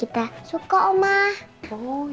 tuh tuh tuh